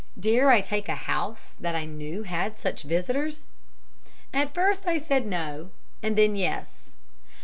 Dare I take a house that knew such visitors? At first I said no, and then yes.